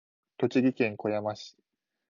栃木県小山市